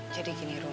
jadi gini rum